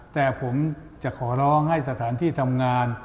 แต่ผมจะขอร้องให้สถานที่ทำงาน